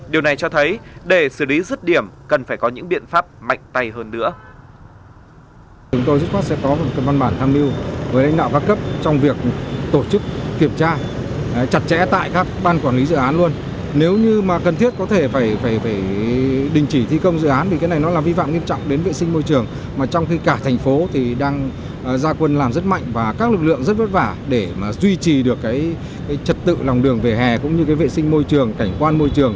điều này cho thấy để xử lý rứt điểm cần phải có những biện pháp mạnh tay hơn nữa